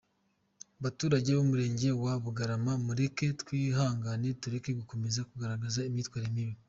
Baturage b’Umurenge wa Bugarama mureke twihangane tureke gukomeza kugaragaza imyitwarire mibi.